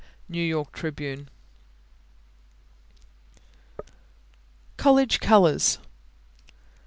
New York Tribune. COLLEGE COLORS.